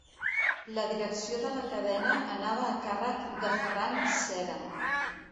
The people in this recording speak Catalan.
La direcció de la cadena anava a càrrec de Ferran Cera.